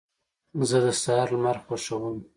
زه د سهار لمر خوښوم.